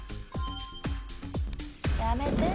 やめて！